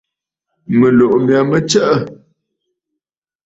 Mɨ̀tlùʼù mya mə tsəʼə̂.